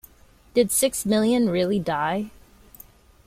Did Six Million Really Die?